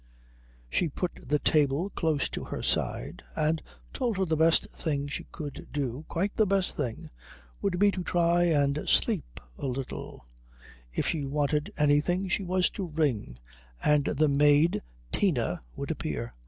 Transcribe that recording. She put the table close to her side, and told her the best thing she could do, quite the best thing, would be to try and sleep a little; if she wanted anything she was to ring, and the maid Tina would appear.